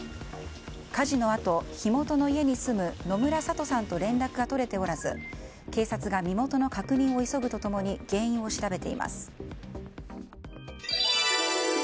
火事のあと、火元の家に住む野村さとさんと連絡が取れておらず警察が身元の確認を急ぐと共に原因を調べています。